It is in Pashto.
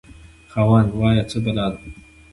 خاوند: وایه څه بلا ده؟